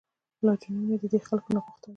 لا جنون مې ددې خلکو ناپخته دی.